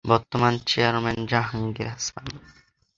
বর্তমান চেয়ারম্যান- জাহাঙ্গীর হাসান।